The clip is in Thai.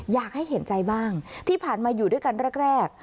อยากให้เห็นใจบ้างที่ผ่านมาอยู่ด้วยกันแรก